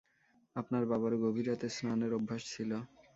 আপনার বাবারও গভীর রাতে স্নানের অভ্যাস ছিল।